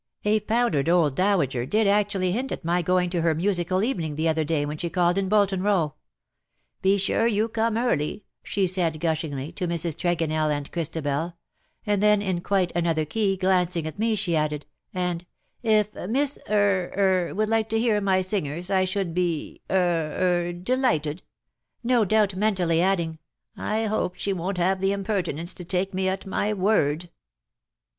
A powdered old dowager did actually hint at my going to her musical evening the other day when she called in Bolton Row. ^ Be sure you come early/ she said, gushingly, to Mrs. Tregonell and Christabel; and then, in quite another key, glancing at me, she added, and ^ if Miss — er — er would like to hear my singers I should be — er — delighted,^ no doubt mentally adding, 'I hope she won^t have the impertinence to take me at my word.'